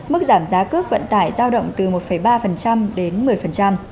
mức giảm giá cước vận tải giao động từ một ba đến một mươi